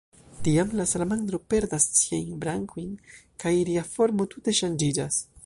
Tiam, la salamandro perdas siajn brankojn, kaj ria formo tute ŝanĝiĝas.